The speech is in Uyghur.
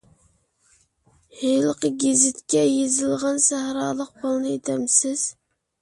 ھېلىقى گېزىتكە يېزىلغان سەھرالىق بالىنى دەمسىز؟